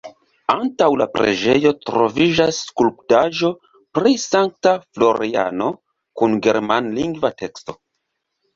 Antaŭ la preĝejo troviĝas skulptaĵo pri Sankta Floriano kun germanlingva teksto.